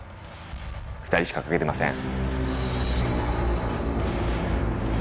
２人しか書けてません。